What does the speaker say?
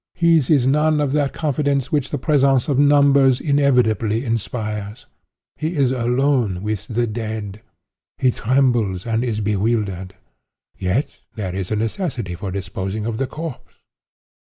His is none of that confidence which the presence of numbers inevitably inspires. He is alone with the dead. He trembles and is bewildered. Yet there is a necessity for disposing of the corpse.